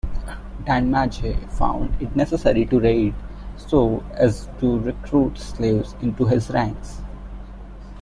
Danmaje found it necessary to raid so as to recruit slaves into his ranks.